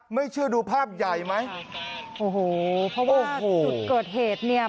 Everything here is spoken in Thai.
ไม่เชื่อดูภาพใหญ่ไหมโอ้โหเพราะว่าจุดเกิดเหตุเนี่ย